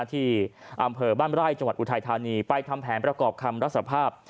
ที่อำเภอบ้านไร่จังหวัดอุทัยธานีไปทำแผนประกอบคำรับสภาพ